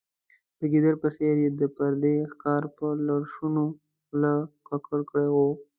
د ګیدړ په څېر یې د پردي ښکار په لړشونو خوله ککړه کړې وه.